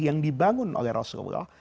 yang dibangun oleh rasulullah